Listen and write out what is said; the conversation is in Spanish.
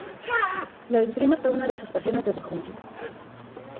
La esgrima fue una de sus pasiones desde jovencito.